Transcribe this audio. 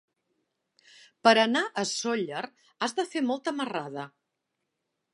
Per anar a Sóller has de fer molta marrada.